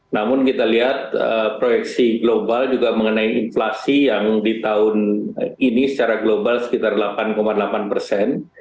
namun kita lihat proyeksi global juga mengenai inflasi yang di tahun ini secara global sekitar delapan delapan persen